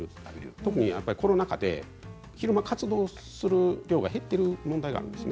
特にコロナ禍で昼間活動する量が減っている問題があるんです。